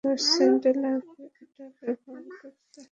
দশ সেন্ট লাগবে ওটা ব্যবহার করতে।